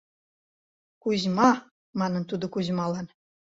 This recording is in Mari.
— Кузьма! — манын тудо Кузьмалан.